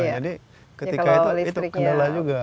jadi ketika itu kendala juga